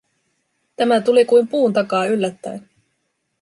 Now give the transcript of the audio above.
Tämä tuli kuin puun takaa yllättäen.